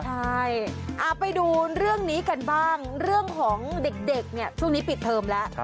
ใช่ไปดูเรื่องนี้กันบ้างเรื่องของเด็กเนี่ยช่วงนี้ปิดเทอมแล้ว